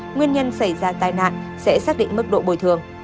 nguyên nhân xảy ra tai nạn sẽ xác định mức độ bồi thường